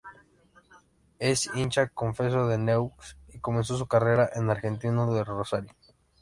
Es hincha confeso de Newell's y comenzó su carrera en Argentino de Rosario.